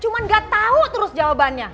cuman gak tau terus jawabannya